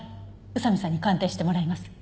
宇佐見さんに鑑定してもらいます。